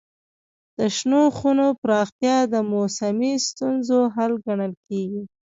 د شنو خونو پراختیا د موسمي ستونزو حل ګڼل کېږي.